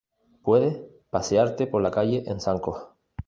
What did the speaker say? puedes pasearte por la calle en zancos